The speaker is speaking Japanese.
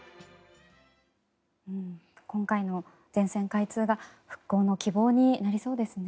今回の全線開通が復興の希望になりそうですね。